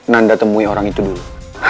nanda temui orang itu dulu